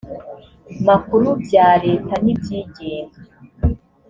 makuru bya leta n iby igenga